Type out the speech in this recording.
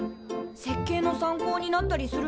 設計の参考になったりするの？